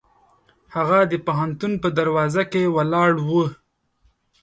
هغه د پوهنتون په دروازه کې ولاړ و.